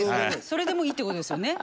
それでもいいってことですよね